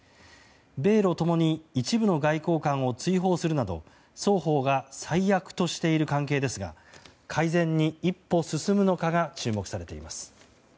米露共に一部の外交官を追放するなど双方が最悪としている関係ですが改善に一歩進むのかが注目されています。